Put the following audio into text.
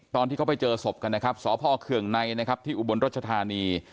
ตอนที่เขาไปเจอศพกันนะครับสพเคืองในนะครับที่อุบลรัชธานี